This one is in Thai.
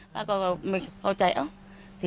ถ้าก็ไม่เข้าใจ